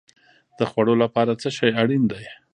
د خوړو لپاره څه شی اړین دی؟